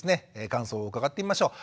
感想を伺ってみましょう。